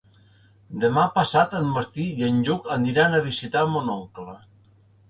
Demà passat en Martí i en Lluc aniran a visitar mon oncle.